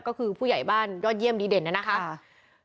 ก็คือผู้ใหญ่บ้านยอดเยี่ยมดีเด่นนะครับ